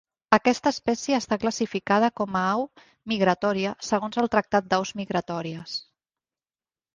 Aquesta espècie està classificada com a au migratòria segons el Tractat d'Aus Migratòries.